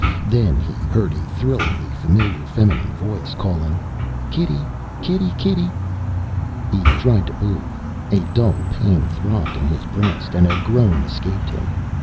Then he heard a thrillingly familiar feminine voice calling "Kitty, kitty, kitty." He tried to move, a dull pain throbbed in his breast, and a groan escaped him.